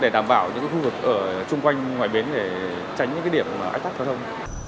đảm bảo những khu vực ở trung quanh ngoài bến để tránh những điểm áp tác thông thông